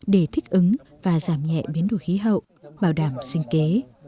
để thích ứng và giảm nhẹ biến đổi khí hậu bảo đảm sinh kế